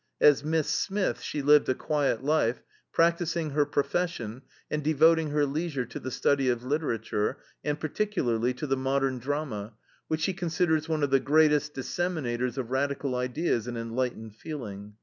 As "Miss Smith" she lived a quiet life, practicing her profession and devoting her leisure to the study of literature and, particularly, to the modern drama, which she considers one of the greatest disseminators of radical ideas and enlightened feeling.